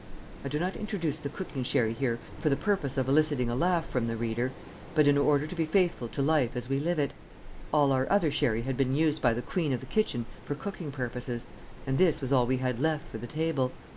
I do not introduce the cooking sherry here for the purpose of eliciting a laugh from the reader, but in order to be faithful to life as we live it. All our other sherry had been used by the queen of the kitchen for cooking purposes, and this was all we had left for the table.